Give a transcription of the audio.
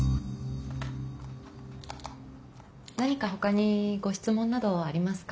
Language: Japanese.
何かほかにご質問などありますか？